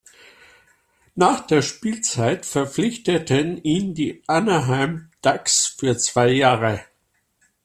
Nach der Spielzeit verpflichteten ihn die Anaheim Ducks für zwei Jahre.